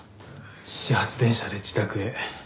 始発電車で自宅へ。